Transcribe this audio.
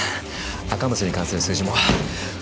赤松に関する数字も。